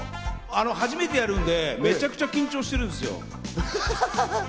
初めてやるんで、めちゃくちゃ緊張してるんですよ。